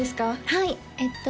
はいえっと